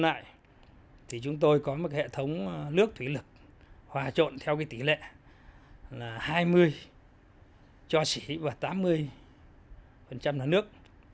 lại thì chúng tôi có một hệ thống nước thủy lực hòa trộn theo tỷ lệ là hai mươi cho xỉ và tám mươi phần trăm là nước